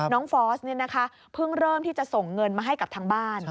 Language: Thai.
ฟอสเพิ่งเริ่มที่จะส่งเงินมาให้กับทางบ้าน